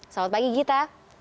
selamat pagi gita